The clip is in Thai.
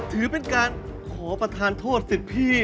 ถือเป็นการขอประทานโทษสิทธิ